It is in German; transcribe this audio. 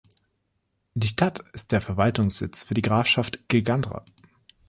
Die Stadt ist der Verwaltungssitz für die Grafschaft Gilgandra.